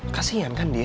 kasihan kan dia